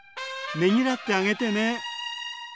ねぎらってあげてね！